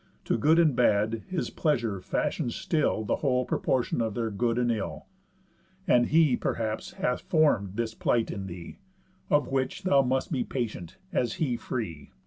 To good and bad his pleasure fashions still The whole proportion of their good and ill. And he, perhaps, hath form'd this plight in thee, Of which thou must be patient, as he free.